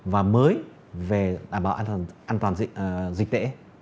và mới về đảm bảo an toàn dịch tễ